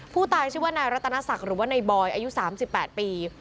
ผู้ตายชื่อว่านายรัตนศักดิ์หรือว่านายบอยอายุ๓๘ปี